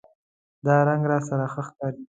دا رنګ راسره ښه ښکاری